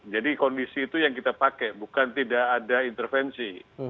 jadi kondisi itu yang kita pakai bukan tidak ada intervensi